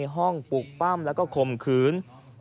ห้องปลูกปั้มและก็คมขืน